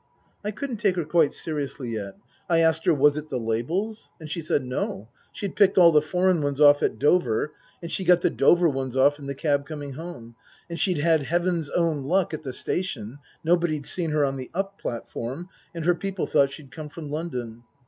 I couldn't take her quite seriously yet. I asked her : Was it the labels ? and she said, No, she'd picked all the foreign ones off at Dover, and she got the Dover ones off in the cab coming home, and she'd had Heaven's own luck at the station, nobody'd seen her on the up platform, and her people thought she'd come from London.